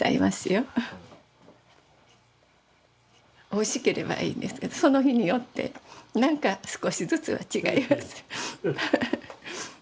おいしければいいんですけどその日によってなんか少しずつは違います。